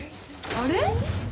あれ？